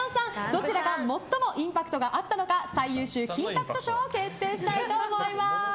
どちらが最もインパクトがあったのか最優秀金パクト賞を決定したいと思います。